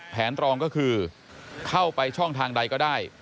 แผนรองก็คือเข้าไปช่องทางใดก็ได้